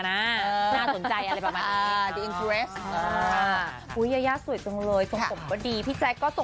อาจจะอนาคต